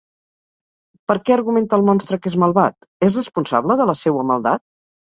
Per què argumenta el monstre que és malvat? És responsable de la seua maldat?